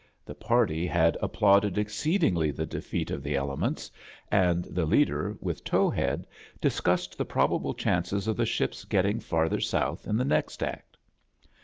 The party had applatided exceedingly the defeat of the elements, and the leader, with Towhead, discussed the probable chances of the ship's getting fartfter south in tfie next act.